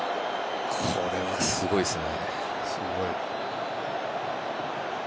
これはすごいですね。